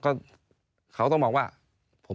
ผมไม่มีความเหมาะสม